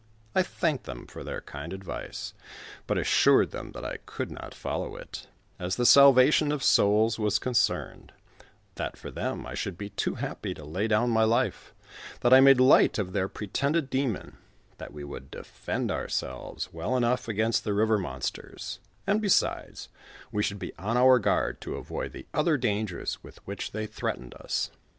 I thanked them for their kind advice, but assured them that 1 t'luld not follow it, as the salvation of souls was con cerned ; that for them, I should be too happy to lay down my life ; that I made light of their pretended demon, that we would defend ourselves well enough against the river monsters ] ai)d, besides, we should be on our guard to avoid the other dangers with which they threatened us.